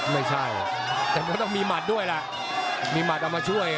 ไม่ใช่แต่มันต้องมีหมัดด้วยล่ะมีหมัดเอามาช่วย